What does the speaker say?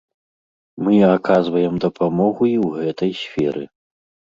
Мы аказваем дапамогу і ў гэтай сферы.